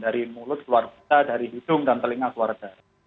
dari mulut keluar darah dari hidung dan telinga keluar darah